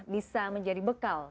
bisa menjadi bekal